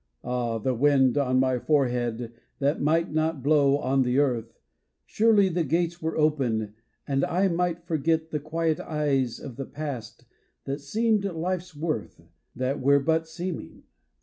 Ahl the wind on my forehead that might not blow on the earth, Surely the gates were open, and I might forget The quiet eyes of the past that seemed life's worth, That were but seeming.